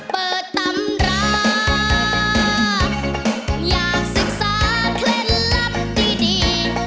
เปิดตำราอยากศึกษาเคล็ดลับดี